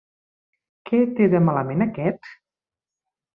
Què té de malament aquest?